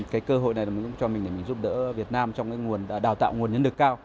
cái cơ hội này cũng cho mình giúp đỡ việt nam trong đào tạo nguồn nhân lực cao